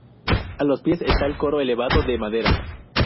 A los pies está el coro elevado, de madera.